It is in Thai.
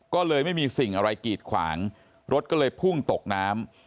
ก็เลยไม่มีสิ่งอะไรกีดขวางรถก็เลยพุ่งตกน้ำ